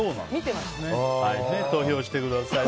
投票してください。